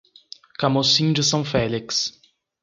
Camocim de São Félix